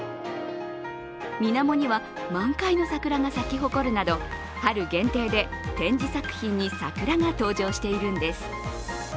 みなもには満開の桜が咲き誇るなど、春限定で展示作品に桜が登場しているんです。